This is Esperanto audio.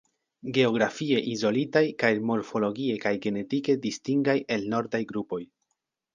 Geografie izolitaj kaj morfologie kaj genetike distingaj el nordaj grupoj.